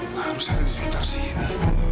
harus ada di sekitar sini